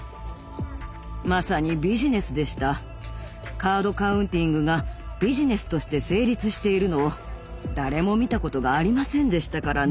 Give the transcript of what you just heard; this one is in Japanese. カード・カウンティングがビジネスとして成立しているのを誰も見たことがありませんでしたからね。